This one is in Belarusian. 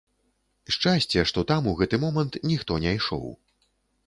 Шчасце, што там у гэты момант ніхто не ішоў.